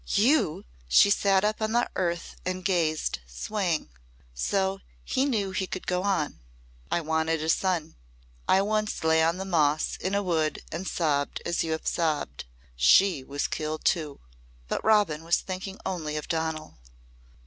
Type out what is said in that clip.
"You!" She sat up on the earth and gazed, swaying. So he knew he could go on. "I wanted a son. I once lay on the moss in a wood and sobbed as you have sobbed. She was killed too." But Robin was thinking only of Donal.